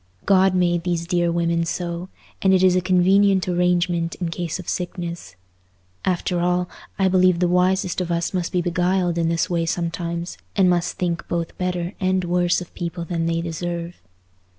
God made these dear women so—and it is a convenient arrangement in case of sickness. After all, I believe the wisest of us must be beguiled in this way sometimes, and must think both better and worse of people than they deserve.